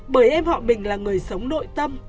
bởi em họ mình là người sống nội tâm